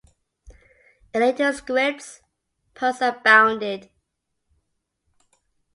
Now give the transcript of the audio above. In later scripts, puns abounded.